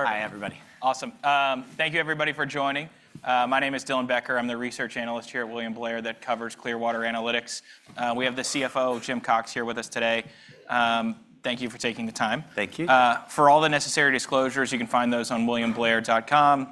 Hi, everybody. Awesome. Thank you, everybody, for joining. My name is Dylan Becker. I'm the research analyst here at William Blair that covers Clearwater Analytics. We have the CFO, Jim Cox, here with us today. Thank you for taking the time. Thank you. For all the necessary disclosures, you can find those on williamblair.com.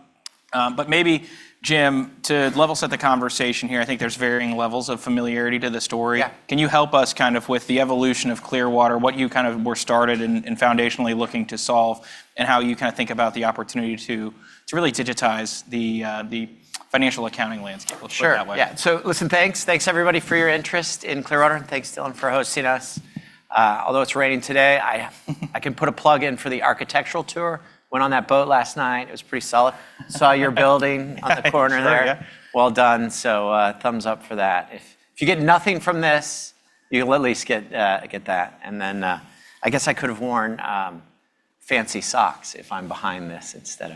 But maybe, Jim, to level set the conversation here, I think there's varying levels of familiarity to the story. Can you help us kind of with the evolution of Clearwater, what you kind of were started and foundationally looking to solve, and how you kind of think about the opportunity to really digitize the financial accounting landscape? Sure. Let's put it that way. Yeah. So, listen, thanks, thanks, everybody, for your interest in Clearwater. And thanks, Dylan, for hosting us. Although it's raining today, I can put a plug in for the architectural tour. Went on that boat last night. It was pretty solid. Saw your building on the corner there. Oh, yeah. Well done. So thumbs up for that. If you get nothing from this, you'll at least get that. And then I guess I could have worn fancy socks if I'm behind this instead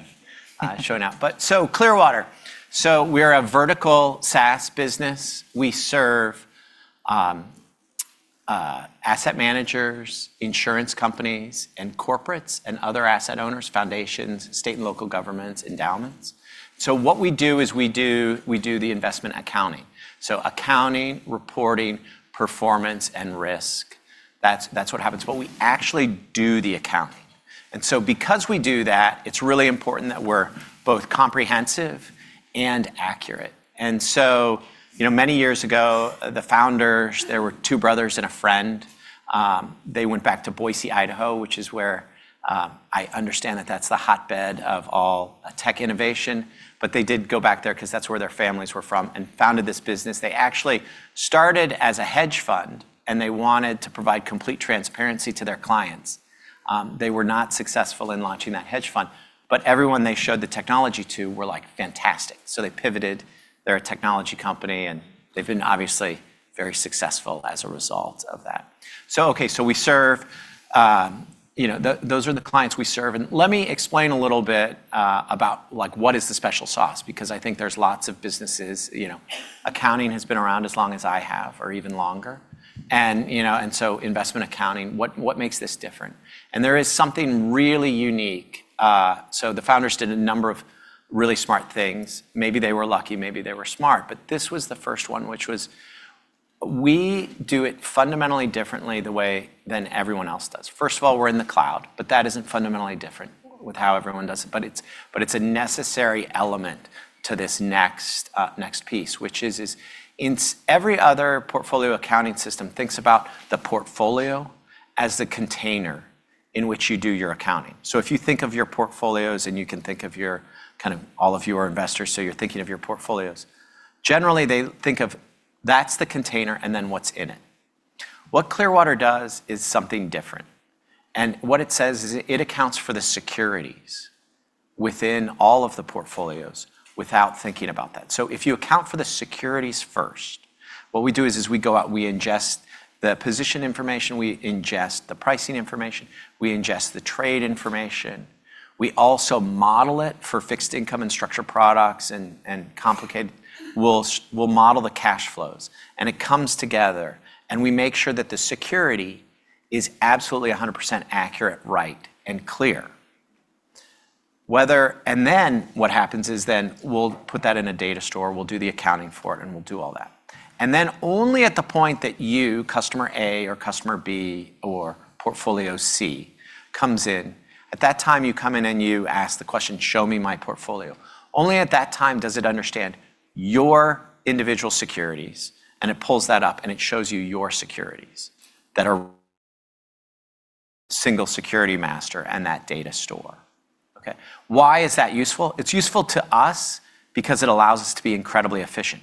of showing up. But so Clearwater, so we're a vertical SaaS business. We serve asset managers, insurance companies, and corporates and other asset owners, foundations, state and local governments, endowments. So what we do is we do the investment accounting. So accounting, reporting, performance, and risk. That's what happens. But we actually do the accounting. And so because we do that, it's really important that we're both comprehensive and accurate. And so many years ago, the founders, there were two brothers and a friend. They went back to Boise, Idaho, which is where I understand that that's the hotbed of all tech innovation. But they did go back there because that's where their families were from and founded this business. They actually started as a hedge fund, and they wanted to provide complete transparency to their clients. They were not successful in launching that hedge fund. But everyone they showed the technology to were like, fantastic. So they pivoted their technology company, and they've been obviously very successful as a result of that. So, OK, so those are the clients we serve. And let me explain a little bit about what is the special sauce, because I think there's lots of businesses. Accounting has been around as long as I have, or even longer. And so investment accounting, what makes this different? And there is something really unique. So the founders did a number of really smart things. Maybe they were lucky. Maybe they were smart. This was the first one, which was we do it fundamentally differently than everyone else does. First of all, we're in the cloud, but that isn't fundamentally different with how everyone does it. It is a necessary element to this next piece, which is every other portfolio accounting system thinks about the portfolio as the container in which you do your accounting. If you think of your portfolios, and you can think of your kind of all of your investors, so you're thinking of your portfolios, generally, they think of that's the container and then what's in it. What Clearwater does is something different. What it says is it accounts for the securities within all of the portfolios without thinking about that. So if you account for the securities first, what we do is we go out, we ingest the position information, we ingest the pricing information, we ingest the trade information. We also model it for fixed income and structured products and complicated. We'll model the cash flows. And it comes together. And we make sure that the security is absolutely 100% accurate, right, and clear. And then what happens is then we'll put that in a data store. We'll do the accounting for it, and we'll do all that. And then only at the point that you, customer A or customer B or portfolio C, comes in, at that time, you come in and you ask the question, show me my portfolio. Only at that time does it understand your individual securities, and it pulls that up, and it shows you your securities that are single security master and that data store. Why is that useful? It's useful to us because it allows us to be incredibly efficient.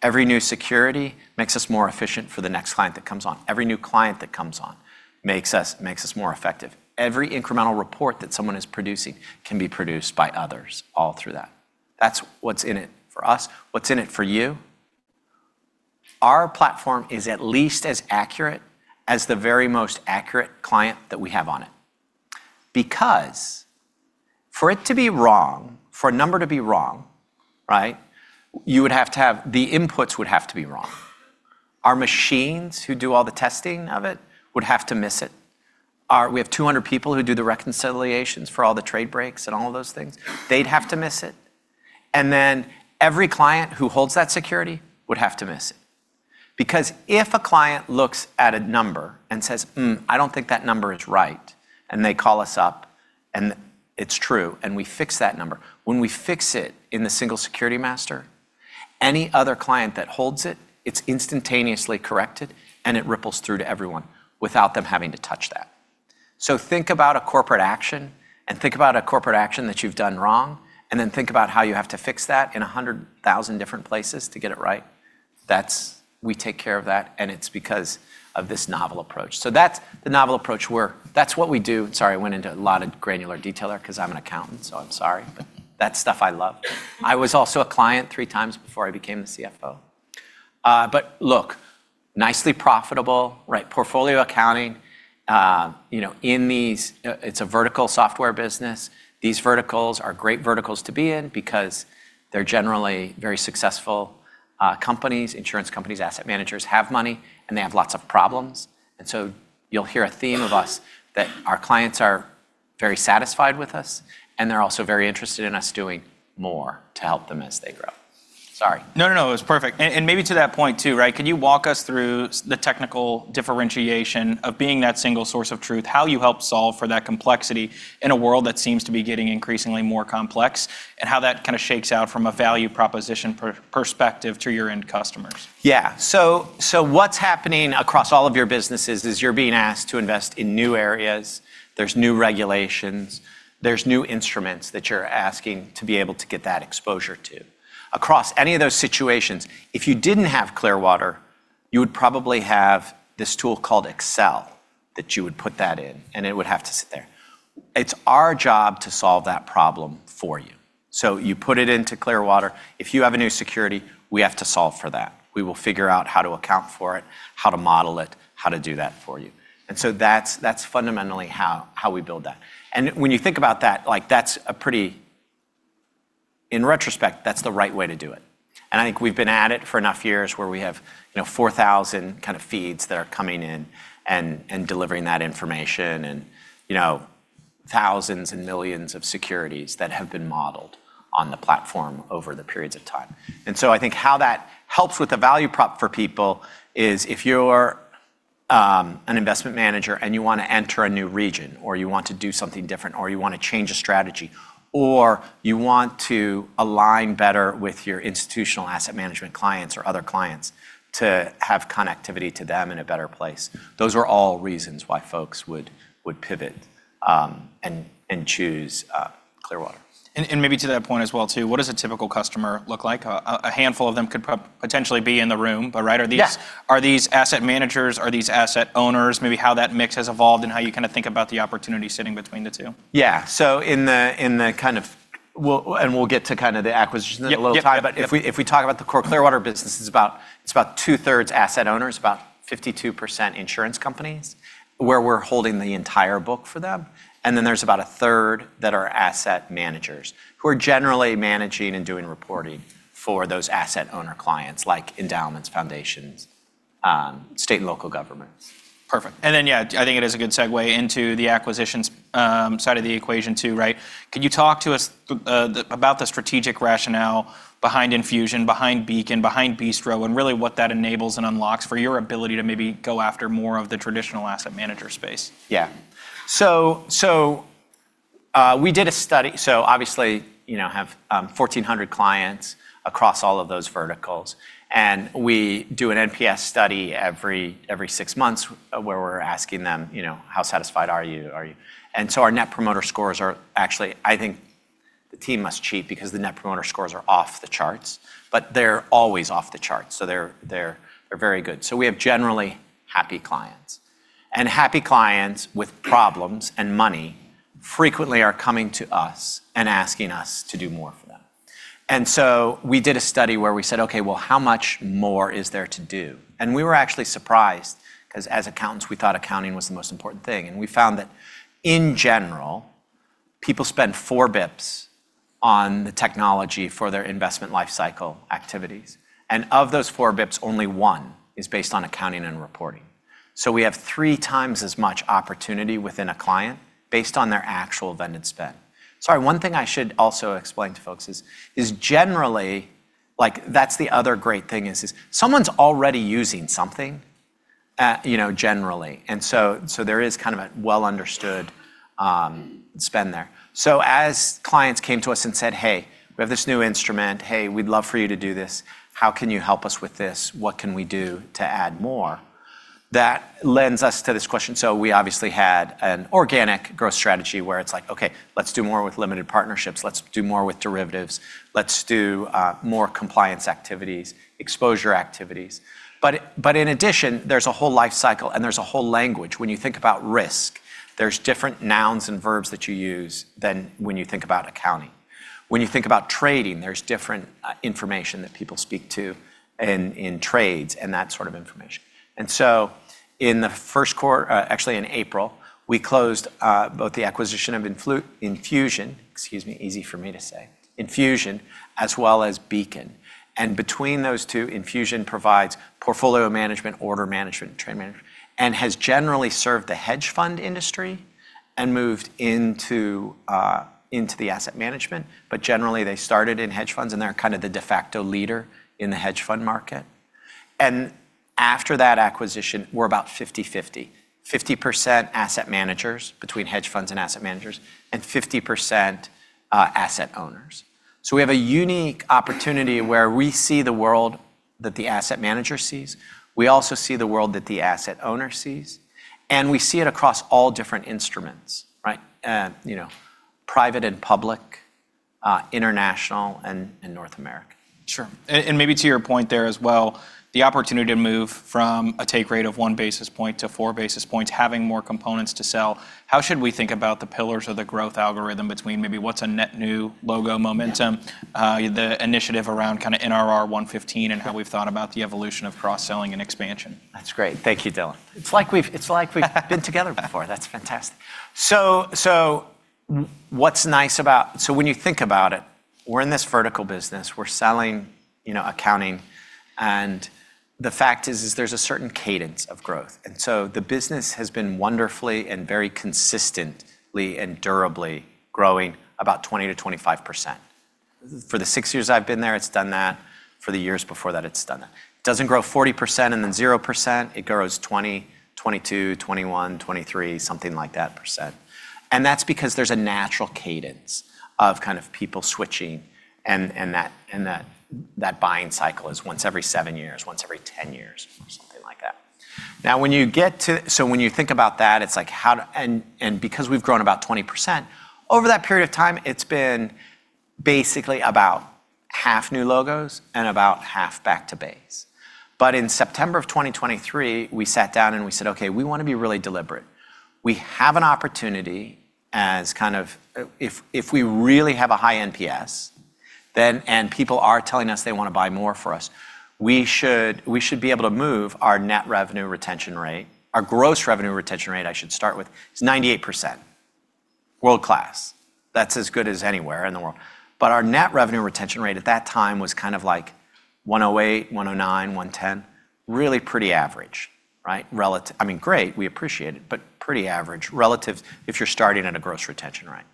Every new security makes us more efficient for the next client that comes on. Every new client that comes on makes us more effective. Every incremental report that someone is producing can be produced by others all through that. That's what's in it for us. What's in it for you? Our platform is at least as accurate as the very most accurate client that we have on it. Because for it to be wrong, for a number to be wrong, you would have to have the inputs wrong. Our machines who do all the testing of it would have to miss it. We have 200 people who do the reconciliations for all the trade breaks and all of those things. They'd have to miss it, and then every client who holds that security would have to miss it. Because if a client looks at a number and says, I don't think that number is right, and they call us up, and it's true, and we fix that number, when we fix it in the single security master, any other client that holds it, it's instantaneously corrected, and it ripples through to everyone without them having to touch that, so think about a corporate action, and think about a corporate action that you've done wrong, and then think about how you have to fix that in 100,000 different places to get it right. We take care of that, and it's because of this novel approach. So that's the novel approach. That's what we do. Sorry, I went into a lot of granular detail there because I'm an accountant, so I'm sorry. But that's stuff I love. I was also a client three times before I became the CFO. But look, nicely profitable, right? Portfolio accounting. In these, it's a vertical software business. These verticals are great verticals to be in because they're generally very successful companies. Insurance companies, asset managers have money, and they have lots of problems, and so you'll hear a theme of us that our clients are very satisfied with us, and they're also very interested in us doing more to help them as they grow. Sorry. No, no, no. It was perfect. And maybe to that point, too, right? Can you walk us through the technical differentiation of being that single source of truth, how you help solve for that complexity in a world that seems to be getting increasingly more complex, and how that kind of shakes out from a value proposition perspective to your end customers? Yeah. So what's happening across all of your businesses is you're being asked to invest in new areas. There's new regulations. There's new instruments that you're asking to be able to get that exposure to. Across any of those situations, if you didn't have Clearwater, you would probably have this tool called Excel that you would put that in, and it would have to sit there. It's our job to solve that problem for you. So you put it into Clearwater. If you have a new security, we have to solve for that. We will figure out how to account for it, how to model it, how to do that for you. And so that's fundamentally how we build that. And when you think about that, in retrospect, that's the right way to do it. And I think we've been at it for enough years where we have 4,000 kind of feeds that are coming in and delivering that information and thousands and millions of securities that have been modeled on the platform over the periods of time, and so I think how that helps with the value prop for people is if you're an investment manager and you want to enter a new region, or you want to do something different, or you want to change a strategy, or you want to align better with your institutional asset management clients or other clients to have connectivity to them in a better place. Those are all reasons why folks would pivot and choose Clearwater. And maybe to that point as well, too, what does a typical customer look like? A handful of them could potentially be in the room, but are these asset managers? Are these asset owners? Maybe how that mix has evolved and how you kind of think about the opportunity sitting between the two? Yeah. So in the kind of and we'll get to kind of the acquisition in a little time. But if we talk about the core Clearwater business, it's about two-thirds asset owners, about 52% insurance companies, where we're holding the entire book for them. And then there's about one-third that are asset managers who are generally managing and doing reporting for those asset owner clients, like endowments, foundations, state and local governments. Perfect, and then, yeah, I think it is a good segue into the acquisitions side of the equation, too, right? Can you talk to us about the strategic rationale behind Enfusion, behind Beacon, behind Bistro, and really what that enables and unlocks for your ability to maybe go after more of the traditional asset manager space? Yeah. So we did a study. So obviously, you have 1,400 clients across all of those verticals. And we do an NPS study every six months where we're asking them, how satisfied are you? And so our Net Promoter Scores are actually, I think the team must cheat because the Net Promoter Scores are off the charts. But they're always off the charts. So they're very good. So we have generally happy clients. And happy clients with problems and money frequently are coming to us and asking us to do more for them. And so we did a study where we said, OK, well, how much more is there to do? And we were actually surprised because as accountants, we thought accounting was the most important thing. And we found that in general, people spend four bips on the technology for their investment lifecycle activities. Of those four bips, only one is based on accounting and reporting. We have three times as much opportunity within a client based on their actual vendor spend. Sorry, one thing I should also explain to folks is generally, that's the other great thing is someone's already using something generally. So there is kind of a well-understood spend there. As clients came to us and said, hey, we have this new instrument. Hey, we'd love for you to do this. How can you help us with this? What can we do to add more? That leads us to this question. We obviously had an organic growth strategy where it's like, OK, let's do more with limited partnerships. Let's do more with derivatives. Let's do more compliance activities, exposure activities, but in addition, there's a whole lifecycle and there's a whole language. When you think about risk, there's different nouns and verbs that you use than when you think about accounting. When you think about trading, there's different information that people speak to in trades and that sort of information. And so in the first quarter, actually in April, we closed both the acquisition of Enfusion, excuse me, easy for me to say, Enfusion, as well as Beacon. And between those two, Enfusion provides portfolio management, order management, and trade management, and has generally served the hedge fund industry and moved into the asset management. But generally, they started in hedge funds, and they're kind of the de facto leader in the hedge fund market. And after that acquisition, we're about 50/50, 50% asset managers between hedge funds and asset managers and 50% asset owners. So we have a unique opportunity where we see the world that the asset manager sees. We also see the world that the asset owner sees, and we see it across all different instruments, private and public, international, and North America. Sure. And maybe to your point there as well, the opportunity to move from a take rate of one basis point to four basis points, having more components to sell, how should we think about the pillars of the growth algorithm between maybe what's a net new logo momentum, the initiative around kind of NRR 115, and how we've thought about the evolution of cross-selling and expansion? That's great. Thank you, Dylan. It's like we've been together before. That's fantastic. So what's nice about so when you think about it, we're in this vertical business. We're selling accounting. And the fact is there's a certain cadence of growth. And so the business has been wonderfully and very consistently and durably growing about 20%-25%. For the six years I've been there, it's done that. For the years before that, it's done that. It doesn't grow 40% and then 0%. It grows 20%, 22%, 21%, 23%, something like that %. And that's because there's a natural cadence of kind of people switching. And that buying cycle is once every seven years, once every 10 years, something like that. Now, when you think about that, it's like and because we've grown about 20% over that period of time, it's been basically about half new logos and about half back to base. But in September of 2023, we sat down and we said, OK, we want to be really deliberate. We have an opportunity as kind of if we really have a high NPS, and people are telling us they want to buy more for us, we should be able to move our net revenue retention rate. Our gross revenue retention rate, I should start with, is 98%, world class. That's as good as anywhere in the world. But our net revenue retention rate at that time was kind of like 108%, 109%, 110%, really pretty average. I mean, great, we appreciate it, but pretty average relative if you're starting at a gross retention rate.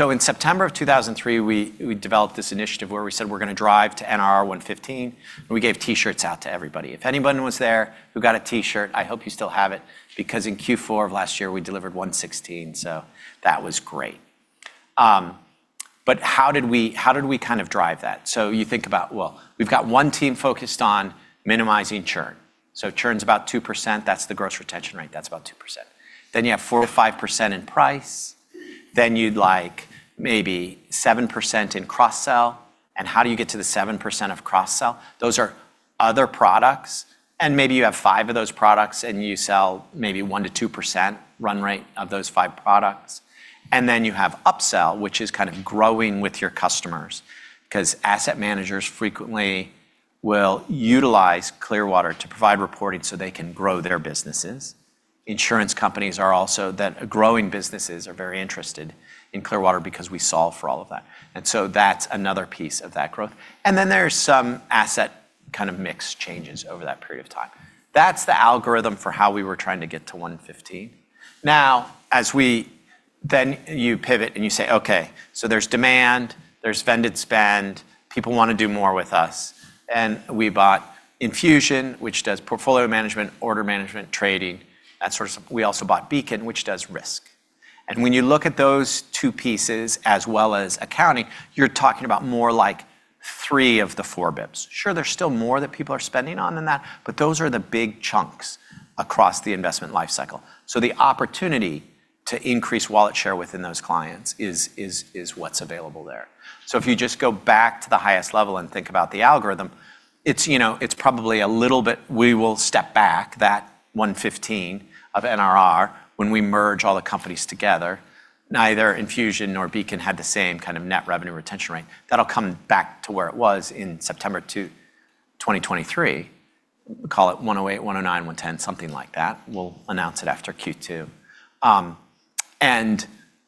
In September of 2003, we developed this initiative where we said, we're going to drive to NRR 115. And we gave T-shirts out to everybody. If anybody was there who got a T-shirt, I hope you still have it, because in Q4 of last year, we delivered 116. So that was great. But how did we kind of drive that? So you think about, well, we've got one team focused on minimizing churn. So churn's about 2%. That's the gross retention rate. That's about 2%. Then you have 4%-5% in price. Then you'd like maybe 7% in cross-sell. And how do you get to the 7% of cross-sell? Those are other products. And maybe you have five of those products, and you sell maybe 1%-2% run rate of those five products. And then you have upsell, which is kind of growing with your customers, because asset managers frequently will utilize Clearwater to provide reporting so they can grow their businesses. Insurance companies are also that growing businesses are very interested in Clearwater because we solve for all of that. And so that's another piece of that growth. And then there's some asset kind of mix changes over that period of time. That's the algorithm for how we were trying to get to 115. Now, as we then you pivot and you say, OK, so there's demand, there's vendor spend, people want to do more with us. And we bought Enfusion, which does portfolio management, order management, trading. We also bought Beacon, which does risk. And when you look at those two pieces as well as accounting, you're talking about more like three of the four basis points. Sure, there's still more that people are spending on than that, but those are the big chunks across the investment lifecycle, so the opportunity to increase wallet share within those clients is what's available there. So if you just go back to the highest level and think about the algorithm, it's probably a little bit we will step back that 115% NRR when we merge all the companies together. Neither Enfusion nor Beacon had the same kind of net revenue retention rate. That'll come back to where it was in September 2023. We'll call it 108%, 109%, 110%, something like that. We'll announce it after Q2,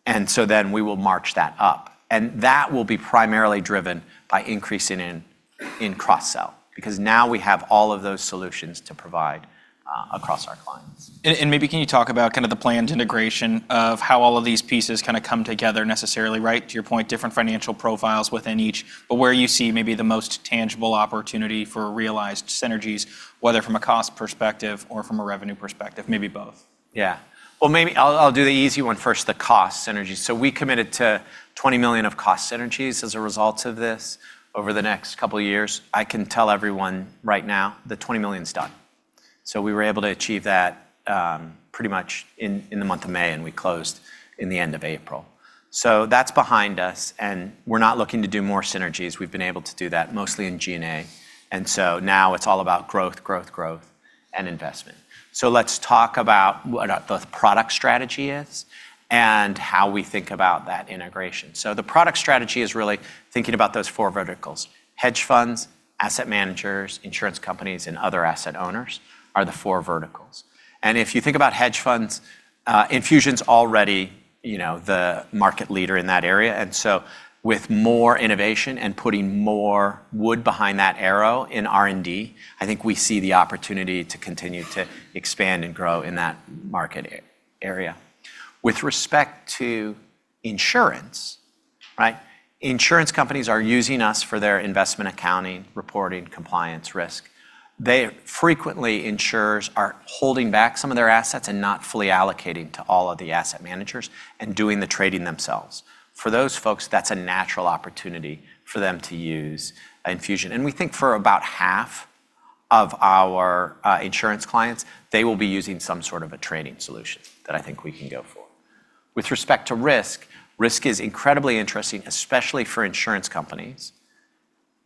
and so then we will march that up, and that will be primarily driven by increasing in cross-sell, because now we have all of those solutions to provide across our clients. Maybe, can you talk about kind of the planned integration of how all of these pieces kind of come together necessarily, right? To your point, different financial profiles within each, but where you see maybe the most tangible opportunity for realized synergies, whether from a cost perspective or from a revenue perspective, maybe both? Yeah. Well, maybe I'll do the easy one first, the cost synergies. So we committed to $20 million of cost synergies as a result of this over the next couple of years. I can tell everyone right now the $20 million's done. So we were able to achieve that pretty much in the month of May, and we closed in the end of April. So that's behind us. And we're not looking to do more synergies. We've been able to do that mostly in G&A. And so now it's all about growth, growth, growth, and investment. So let's talk about what the product strategy is and how we think about that integration. So the product strategy is really thinking about those four verticals. Hedge funds, asset managers, insurance companies, and other asset owners are the four verticals. And if you think about hedge funds, Enfusion's already the market leader in that area. And so with more innovation and putting more wood behind that arrow in R&D, I think we see the opportunity to continue to expand and grow in that market area. With respect to insurance, insurance companies are using us for their investment accounting, reporting, compliance, risk. Frequently, insurers are holding back some of their assets and not fully allocating to all of the asset managers and doing the trading themselves. For those folks, that's a natural opportunity for them to use Enfusion. And we think for about half of our insurance clients, they will be using some sort of a trading solution that I think we can go for. With respect to risk, risk is incredibly interesting, especially for insurance companies,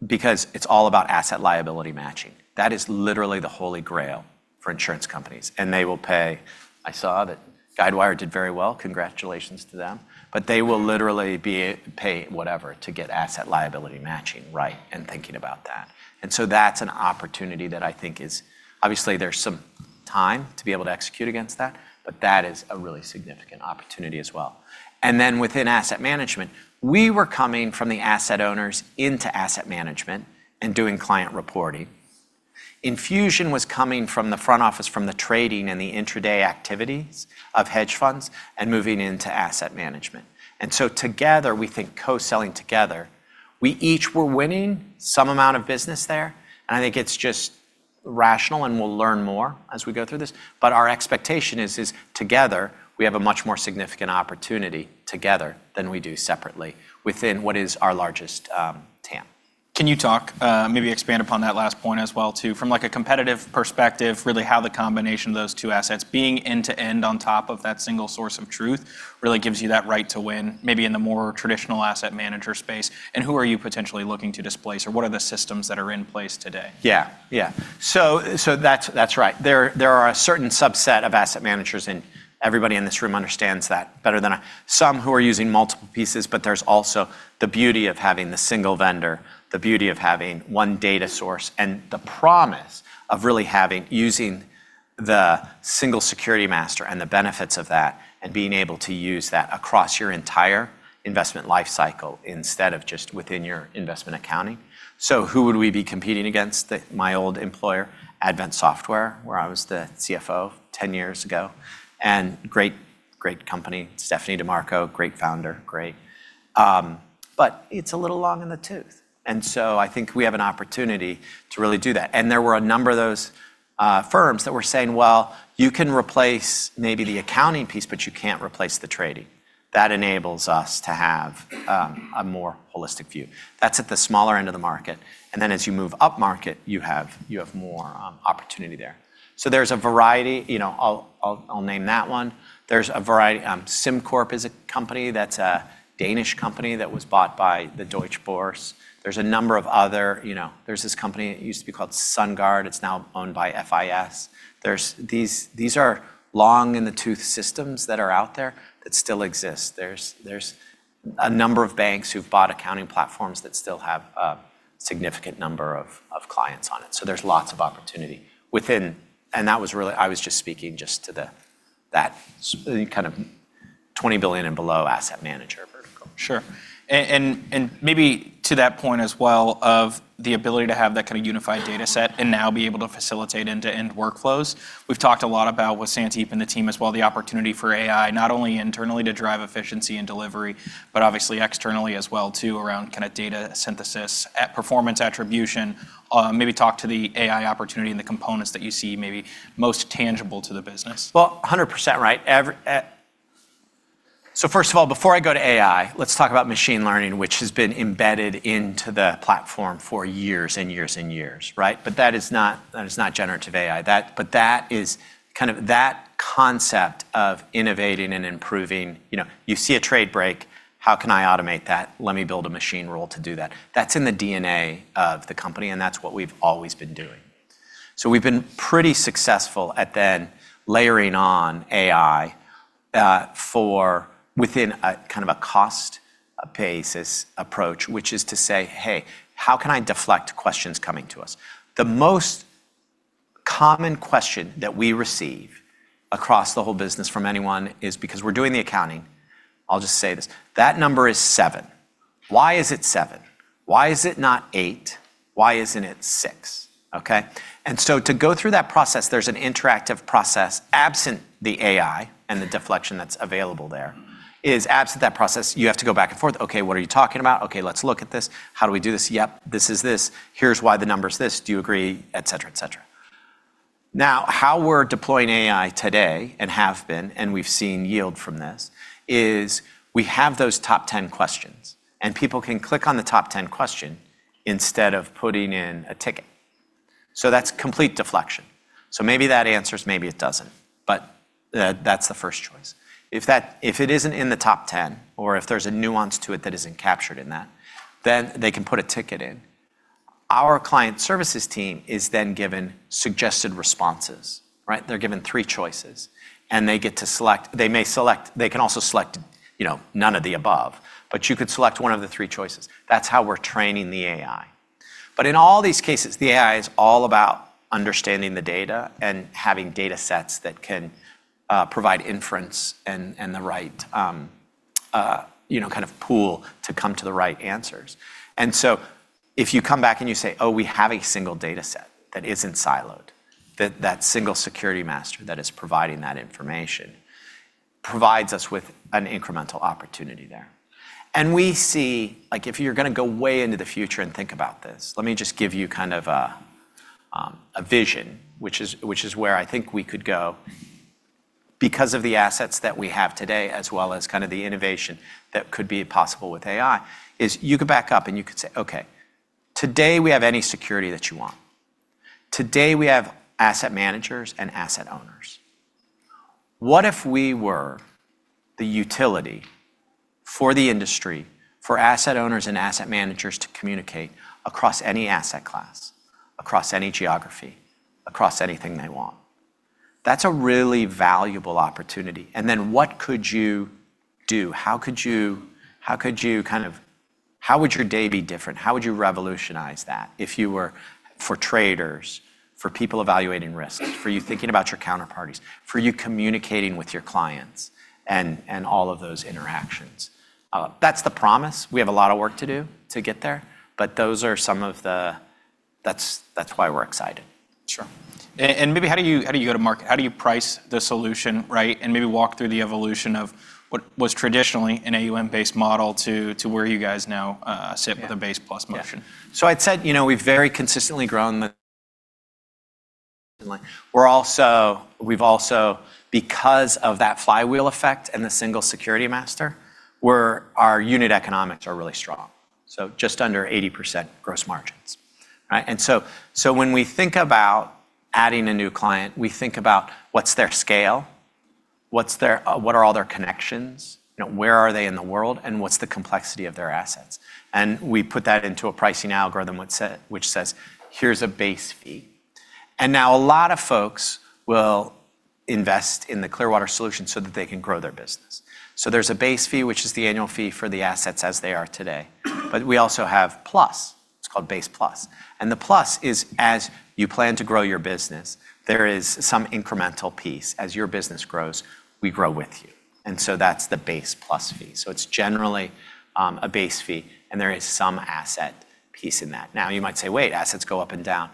because it's all about asset liability matching. That is literally the Holy Grail for insurance companies. And they will pay. I saw that Guidewire did very well. Congratulations to them. But they will literally pay whatever to get asset liability matching right and thinking about that. And so that's an opportunity that I think is obviously. There's some time to be able to execute against that, but that is a really significant opportunity as well. And then within asset management, we were coming from the asset owners into asset management and doing client reporting. Enfusion was coming from the front office, from the trading and the intraday activities of hedge funds and moving into asset management. And so together, we think co-selling together, we each were winning some amount of business there. And I think it's just rational, and we'll learn more as we go through this. But our expectation is, together, we have a much more significant opportunity together than we do separately within what is our largest TAM. Can you talk, maybe expand upon that last point as well, too, from like a competitive perspective, really how the combination of those two assets being end-to-end on top of that single source of truth really gives you that right to win maybe in the more traditional asset manager space? And who are you potentially looking to displace, or what are the systems that are in place today? Yeah, yeah. So that's right. There are a certain subset of asset managers, and everybody in this room understands that better than I. Some who are using multiple pieces. But there's also the beauty of having the single vendor, the beauty of having one data source, and the promise of really using the single security master and the benefits of that and being able to use that across your entire investment lifecycle instead of just within your investment accounting. So who would we be competing against, my old employer, Advent Software, where I was the CFO 10 years ago, and great company, Stephanie DiMarco, great founder, great, but it's a little long in the tooth, and so I think we have an opportunity to really do that. And there were a number of those firms that were saying, well, you can replace maybe the accounting piece, but you can't replace the trading. That enables us to have a more holistic view. That's at the smaller end of the market. And then as you move upmarket, you have more opportunity there. So there's a variety. I'll name that one. There's a variety. SimCorp is a company that's a Danish company that was bought by the Deutsche Börse. There's a number of other, there's this company that used to be called SunGard. It's now owned by FIS. These are long in the tooth systems that are out there that still exist. There's a number of banks who've bought accounting platforms that still have a significant number of clients on it. So there's lots of opportunity within. That was really. I was just speaking just to that kind of 20 billion and below asset manager vertical. Sure. And maybe to that point as well of the ability to have that kind of unified data set and now be able to facilitate end-to-end workflows. We've talked a lot about with Sandeep and the team as well, the opportunity for AI, not only internally to drive efficiency and delivery, but obviously externally as well, too, around kind of data synthesis and performance attribution. Maybe talk to the AI opportunity and the components that you see maybe most tangible to the business. 100% right. First of all, before I go to AI, let's talk about machine learning, which has been embedded into the platform for years and years and years. That is not generative AI. That is kind of that concept of innovating and improving. You see a trade break. How can I automate that? Let me build a machine rule to do that. That's in the DNA of the company, and that's what we've always been doing. We've been pretty successful at then layering on AI within a kind of a cost basis approach, which is to say, hey, how can I deflect questions coming to us? The most common question that we receive across the whole business from anyone is, because we're doing the accounting, I'll just say this: That number is seven. Why is it seven? Why is it not eight? Why isn't it six? And so to go through that process, there's an interactive process absent the AI and the deflection that's available there. Absent that process, you have to go back and forth. OK, what are you talking about? OK, let's look at this. How do we do this? Yep, this is this. Here's why the number's this. Do you agree, et cetera, et cetera. Now, how we're deploying AI today and have been, and we've seen yield from this, is we have those top 10 questions. And people can click on the top 10 question instead of putting in a ticket. So that's complete deflection. So maybe that answers, maybe it doesn't. But that's the first choice. If it isn't in the top 10, or if there's a nuance to it that isn't captured in that, then they can put a ticket in. Our client services team is then given suggested responses. They're given three choices, and they get to select. They may select. They can also select none of the above, but you could select one of the three choices. That's how we're training the AI. But in all these cases, the AI is all about understanding the data and having data sets that can provide inference and the right kind of pool to come to the right answers. And so if you come back and you say, oh, we have a single data set that isn't siloed, that single security master that is providing that information provides us with an incremental opportunity there. We see if you're going to go way into the future and think about this. Let me just give you kind of a vision, which is where I think we could go because of the assets that we have today, as well as kind of the innovation that could be possible with AI. [It] is you could back up and you could say, OK, today we have any security that you want. Today we have asset managers and asset owners. What if we were the utility for the industry, for asset owners and asset managers to communicate across any asset class, across any geography, across anything they want? That's a really valuable opportunity. And then what could you do? How could you kind of how would your day be different? How would you revolutionize that if you were for traders, for people evaluating risks, for you thinking about your counterparties, for you communicating with your clients and all of those interactions? That's the promise. We have a lot of work to do to get there. But those are some of the that's why we're excited. Sure. And maybe how do you go to market? How do you price the solution, right, and maybe walk through the evolution of what was traditionally an AUM-based model to where you guys now sit with a Base Plus model? So, I'd said we've very consistently grown the. We've also, because of that flywheel effect and the Single Security Master, where our unit economics are really strong, so just under 80% gross margins. And so when we think about adding a new client, we think about what's their scale, what are all their connections, where are they in the world, and what's the complexity of their assets. And we put that into a pricing algorithm, which says, here's a base fee. And now a lot of folks will invest in the Clearwater solution so that they can grow their business. So there's a base fee, which is the annual fee for the assets as they are today. But we also have plus. It's called Base Plus. And the plus is, as you plan to grow your business, there is some incremental piece. As your business grows, we grow with you. And so that's the base plus fee. So it's generally a base fee, and there is some asset piece in that. Now you might say, wait, assets go up and down.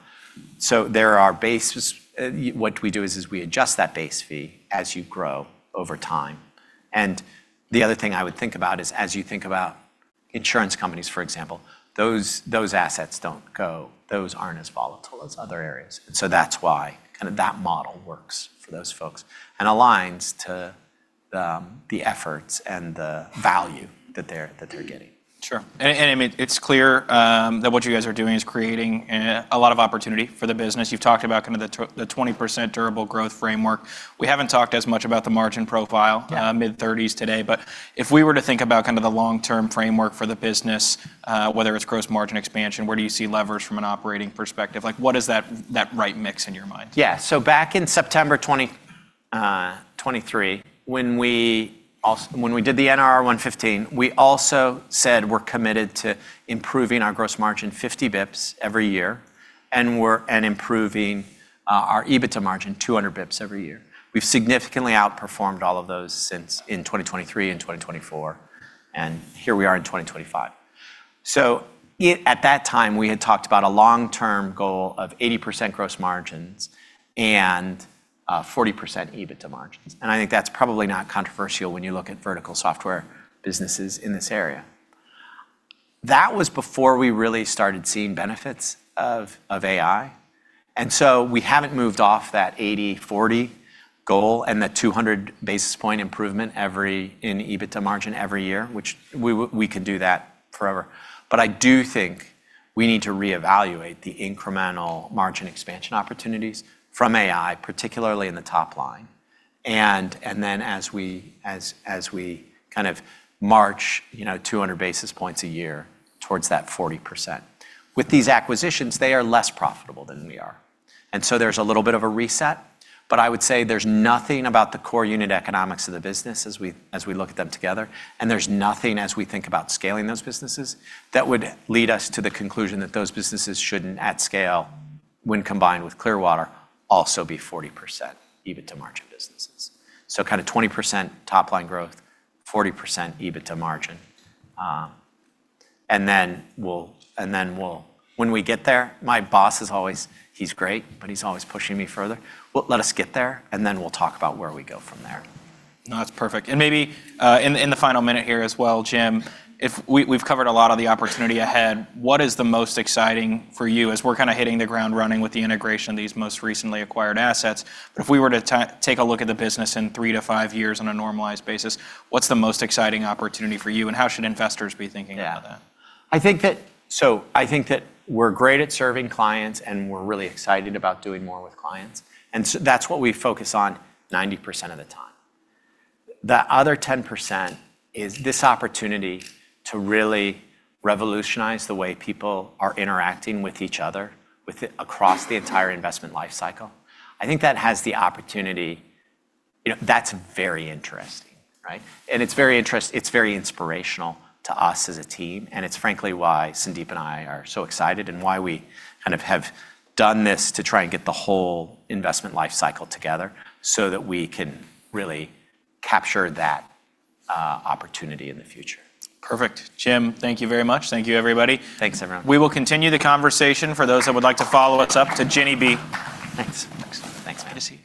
So there are bases. What we do is we adjust that base fee as you grow over time. And the other thing I would think about is, as you think about insurance companies, for example, those assets don't go. Those aren't as volatile as other areas. And so that's why kind of that model works for those folks and aligns to the efforts and the value that they're getting. Sure. And I mean, it's clear that what you guys are doing is creating a lot of opportunity for the business. You've talked about kind of the 20% durable growth framework. We haven't talked as much about the margin profile, mid-30s today. But if we were to think about kind of the long-term framework for the business, whether it's gross margin expansion, where do you see levers from an operating perspective? What is that right mix in your mind? Yeah. So back in September 2023, when we did the NRR 115, we also said we're committed to improving our gross margin 50 basis points every year and improving our EBITDA margin 200 basis points every year. We've significantly outperformed all of those since in 2023 and 2024. And here we are in 2025. So at that time, we had talked about a long-term goal of 80% gross margins and 40% EBITDA margins. And I think that's probably not controversial when you look at vertical software businesses in this area. That was before we really started seeing benefits of AI. And so we haven't moved off that 80-40 goal and the 200 basis point improvement in EBITDA margin every year, which we could do that forever. But I do think we need to reevaluate the incremental margin expansion opportunities from AI, particularly in the top line. And then as we kind of march 200 basis points a year towards that 40%. With these acquisitions, they are less profitable than we are. And so there's a little bit of a reset. But I would say there's nothing about the core unit economics of the business as we look at them together. And there's nothing, as we think about scaling those businesses, that would lead us to the conclusion that those businesses shouldn't, at scale, when combined with Clearwater, also be 40% EBITDA margin businesses. So kind of 20% top line growth, 40% EBITDA margin. And then when we get there, my boss is always, he's great, but he's always pushing me further. Well, let us get there, and then we'll talk about where we go from there. No, that's perfect. And maybe in the final minute here as well, Jim, we've covered a lot of the opportunity ahead. What is the most exciting for you as we're kind of hitting the ground running with the integration of these most recently acquired assets? But if we were to take a look at the business in three to five years on a normalized basis, what's the most exciting opportunity for you? And how should investors be thinking about that? Yeah. So I think that we're great at serving clients, and we're really excited about doing more with clients. And that's what we focus on 90% of the time. The other 10% is this opportunity to really revolutionize the way people are interacting with each other across the entire investment lifecycle. I think that has the opportunity that's very interesting. And it's very inspirational to us as a team. And it's frankly why Sandeep and I are so excited and why we kind of have done this to try and get the whole investment lifecycle together so that we can really capture that opportunity in the future. Perfect. Jim, thank you very much. Thank you, everybody. Thanks, everyone. We will continue the conversation. For those that would like to follow us up to Ginny B. Thanks. Thanks.